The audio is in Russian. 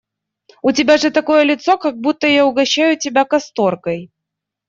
У тебя же такое лицо, как будто бы я угощаю тебя касторкой.